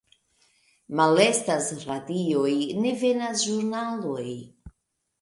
Malestas radioj, ne venas ĵurnaloj.